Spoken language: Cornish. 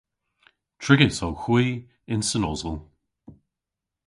Trigys owgh hwi yn Sen Austel.